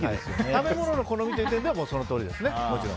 食べ物の好みという点ではもちろんそのとおりですね。